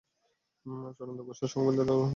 চূড়ান্ত কৌশল ও অলংঘনীয় দলীলের অধিকারী একমাত্র তিনিই।